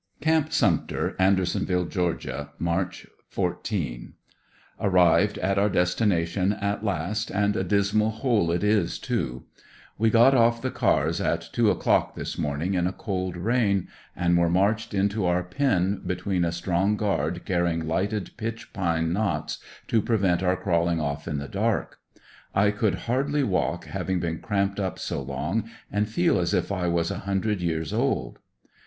Camp Sumpter, Andersonville, Ga., March 14. — Arrived at our destination at last and a dismal hole it is, too. We got off the cars at two o'clock this morning in a cold rain, and were marched into our pen between a strong guard carrying lighted pitch pine knots to prevent our crawling off in the dark. I could hardly walk have been cramped up so long, and feel as if I was a hundred years old.